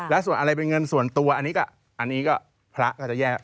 แล้วส่วนอะไรเป็นเงินส่วนตัวอันนี้ก็อันนี้ก็พระก็จะแย่